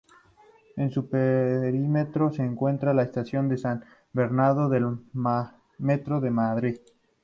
En su perímetro se encuentra la Estación de San Bernardo del Metro de Madrid.